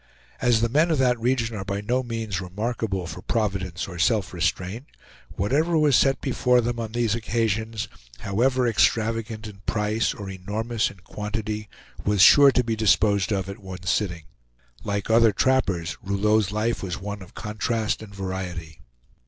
As the men of that region are by no means remarkable for providence or self restraint, whatever was set before them on these occasions, however extravagant in price, or enormous in quantity, was sure to be disposed of at one sitting. Like other trappers, Rouleau's life was one of contrast and variety.